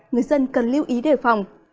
người dân cần lưu ý đề phòng